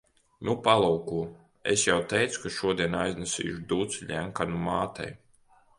Nu, palūko. Es jau teicu, ka šodien aiznesīšu duci Ļenkanu mātei.